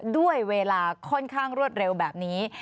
ด้วยเวลาค่อนข้างรวดเร็วแบบนี้